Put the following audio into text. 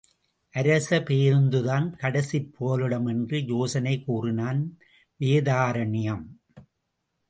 அரசு பேருந்துதான் கடைசிப் புகலிடம் என்று யோசனை கூறினான் வேதாரண்யம்.